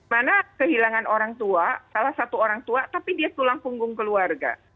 mana kehilangan orang tua salah satu orang tua tapi dia tulang punggung keluarga